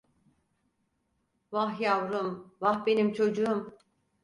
Vah yavrum, vah benim çocuğum…